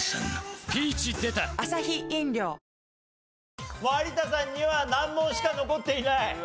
もう有田さんには難問しか残っていない。